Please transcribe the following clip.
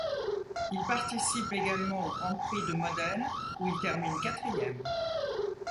Il participe également au Grand Prix de Modène où il termine quatrième.